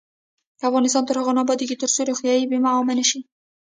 افغانستان تر هغو نه ابادیږي، ترڅو روغتیايي بیمه عامه نشي.